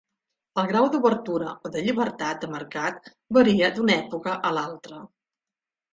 El grau d'obertura o de llibertat de mercat varia d'una època a l'altre.